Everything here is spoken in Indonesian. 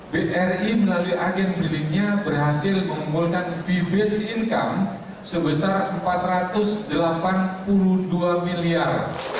bri melalui agen miliknya berhasil mengumpulkan fee based income sebesar rp empat ratus delapan puluh dua miliar